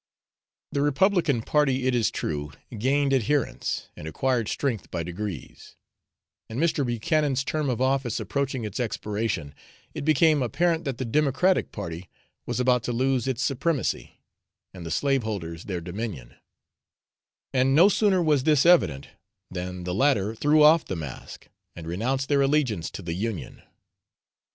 The Republican party, it is true, gained adherents, and acquired strength by degrees; and Mr. Buchanan's term of office approaching its expiration, it became apparent that the Democratic party was about to lose its supremacy, and the slaveholders their dominion; and no sooner was this evident than the latter threw off the mask, and renounced their allegiance to the Union.